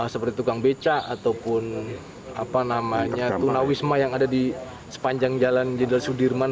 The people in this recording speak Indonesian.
seperti tukang beca ataupun tunawisma yang ada di sepanjang jalan jenderal sudirman